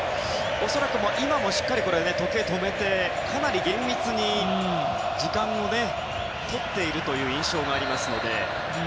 恐らく今もしっかり時計を止めてかなり厳密に時間をとっているという印象がありますので。